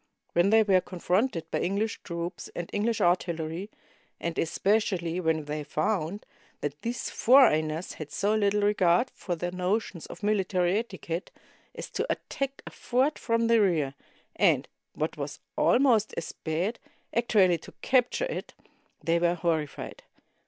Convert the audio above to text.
When they were con fronted by English troops and English artillery, and especially when they found that these foreigners had so little regard for their notions of military etiquette as to attack a fort from the rear, and, what was almost as bad, actually to capture it, they were horrified.